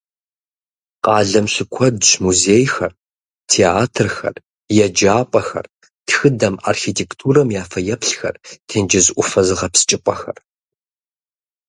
Къалэм щыкуэдщ музейхэр, театрхэр, еджапӀэхэр, тхыдэм, архитектурэм я фэеплъхэр, тенджыз Ӏуфэ зыгъэпскӀыпӀэхэр.